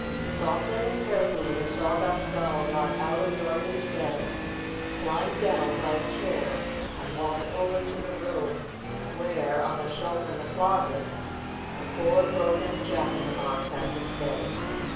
Softly and carefully the Sawdust Doll got out of Dorothy's bed, climbed down by a chair, and walked over to the room where, on a shelf in the closet, the poor, broken Jack in the B ox had to stay.